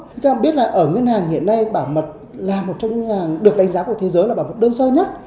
chúng ta biết là ở ngân hàng hiện nay bảo mật là một trong những ngân hàng được đánh giá của thế giới là bảo mật đơn sơ nhất